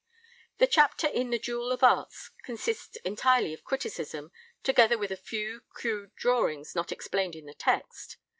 The chapter in 'The Jewell of Artes' consists entirely of criticism, together with a few crude drawings not explained in the text.